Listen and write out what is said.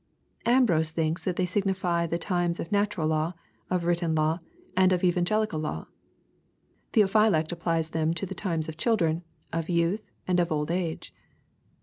Ambrose thinks that they signify the times of natural law, of written law, and of evangeli cal law. — Theophylact applies them to the times of children, of youth, and of old age.